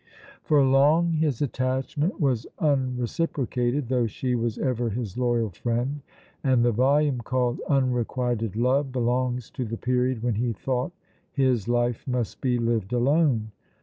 For long his attachment was unreciprocated, though she was ever his loyal friend, and the volume called 'Unrequited Love' belongs to the period when he thought his life must be lived alone.